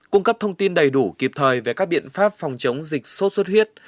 cung cấp thông tin đầy đủ kịp thời về các biện pháp phòng chống dịch sốt xuất huyết